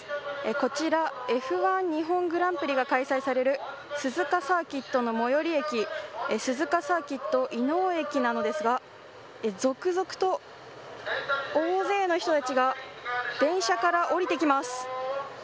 こちら、Ｆ１日本グランプリが開催される鈴鹿サーキットの最寄駅鈴鹿サーキット稲生駅なんですが続々と大勢の人たちが電車から降りてきます。